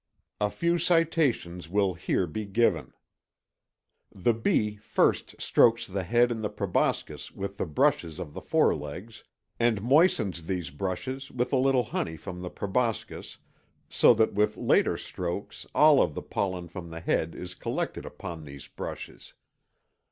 A few citations will here be given: The bee first strokes the head and the proboscis with the brushes of the forelegs and moistens these brushes with a little honey from the proboscis, so that with later strokes all of the pollen from the head is collected upon these brushes.